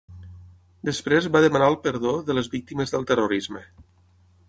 Després va demanar el perdó de les víctimes del terrorisme.